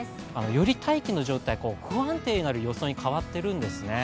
より大気の状態が不安定になる予想に変わっているんですね。